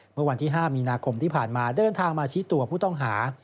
เมื่อวันที่๕มีนาคมที่ผ่านมาเดินทางมาชี้ตัวผู้ต้องหา